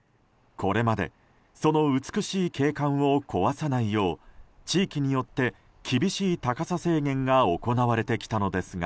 これまでその美しい景観を壊さないよう地域によって厳しい高さ制限が行われてきたのですが